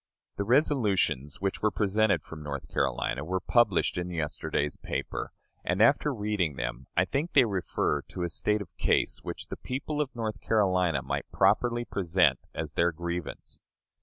The resolutions which were presented from North Carolina were published in yesterday's paper, and, after reading them, I think they refer to a state of case which the people of North Carolina might properly present as their grievance.